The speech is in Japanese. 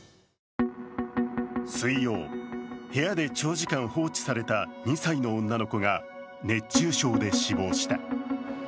水曜、部屋で長時間放置された２歳の女の子が熱中症で死亡した。